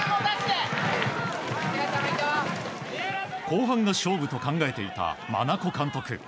後半が勝負と考えていた真名子監督。